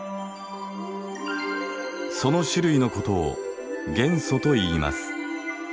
その種類のことを元素といいます。